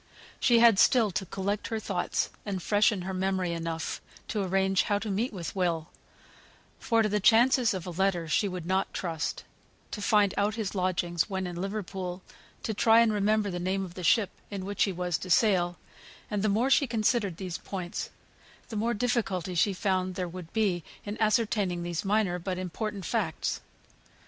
She had still to collect her thoughts and freshen her memory enough to arrange how to meet with Will for to the chances of a letter she would not trust; to find out his lodgings when in Liverpool; to try and remember the name of the ship in which he was to sail: and the more she considered these points the more difficulty she found there would be in ascertaining these minor but important facts.